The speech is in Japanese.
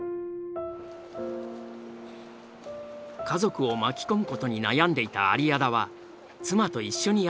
家族を巻き込むことに悩んでいた有屋田は妻と一緒にやって来た。